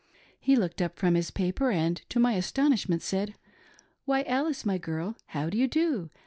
He looked up from his paper, and, to my astonishment, said, ' Why, Alice, my girl, how do you do